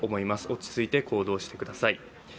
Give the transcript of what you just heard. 落ち着いて行動してください。